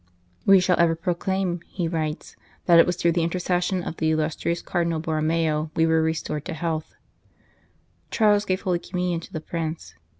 " We shall ever proclaim," he writes, " that it 211 St. Charles Borromeo was through the intercession of the illustrious Cardinal Borromeo we were restored to health." Charles gave Holy Communion to the Prince.